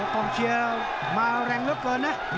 ต้องเชียร์มาแรงเร็วเกินนะ